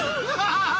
ハハハハ！